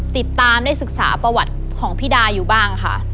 ติดตามได้ศึกษาประวัติของพี่ดาอยู่บ้างค่ะ